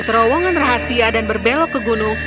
terowongan rahasia dan berbelok ke gunung